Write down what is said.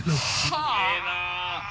すげえな。